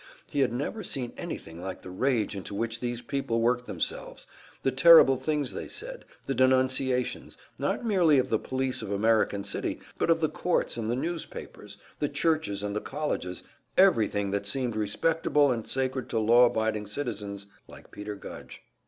He had never seen anything like the rage into which these people worked themselves, the terrible things they said, the denunciations, not merely of the police of American City, but of the courts and the newspapers, the churches and the colleges, everything that seemed respectable and sacred to law abiding citizens like Peter Gudge.